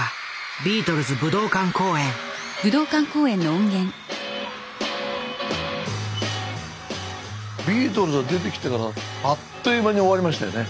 ビートルズが出てきてからあっという間に終わりましたよね。